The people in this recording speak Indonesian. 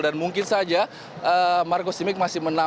dan mungkin saja marco simic mencetak